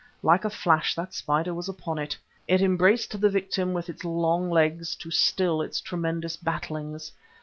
Like a flash that spider was upon it. It embraced the victim with its long legs to still its tremendous battlings.